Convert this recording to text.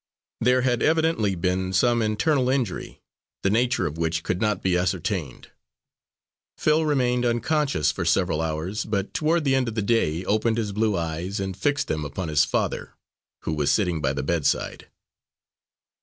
There had evidently been some internal injury, the nature of which could not be ascertained. Phil remained unconscious for several hours, but toward the end of the day opened his blue eyes and fixed them upon his father, who was sitting by the bedside.